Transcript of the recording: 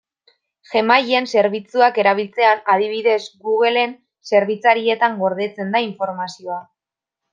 Gmail-en zerbitzuak erabiltzean, adibidez, Google-en zerbitzarietan gordetzen da informazioa.